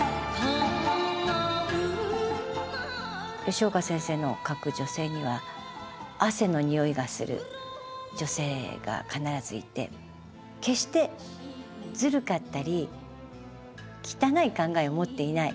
吉岡先生の書く女性には汗のにおいがする女性が必ずいて決してずるかったり汚い考えを持っていない。